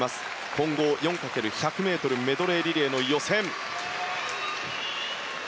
混合４×１００ｍメドレーリレーの予選。